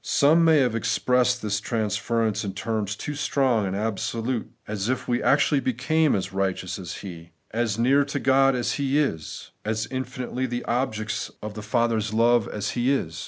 Some may have expressed this trans ference in terms too strong and absolute, as if we actually became as righteous as He is, as near to God as He is, as infinitely the objects of the 96 The Everlasting Righteousness, Father's love as He is.